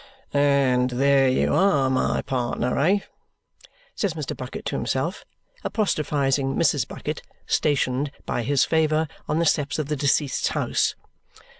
"And there you are, my partner, eh?" says Mr. Bucket to himself, apostrophizing Mrs. Bucket, stationed, by his favour, on the steps of the deceased's house.